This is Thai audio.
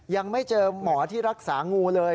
ยังไม่เจอหมอที่รักษางูเลย